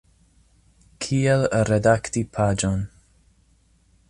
Kiel redakti paĝon.